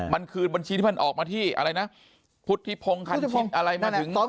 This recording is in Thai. มันคืนบัญชีที่มันออกมาที่อะไรนะพุทธิพงศ์คันชิดอะไรมาถึง